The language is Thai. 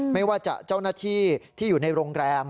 ไม่ว่าจะเจ้าหน้าที่ที่อยู่ในโรงแรม